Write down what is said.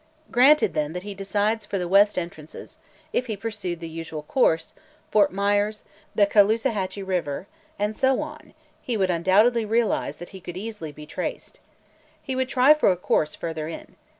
Granted, then, that he decides for the west entrances; if he pursued the usual course, Fort Myers, the Caloosahatchee River, and so on, he would undoubtedly realize that he could easily be traced. He would try for a course further in.